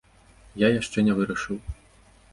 Я яшчэ не вырашыў.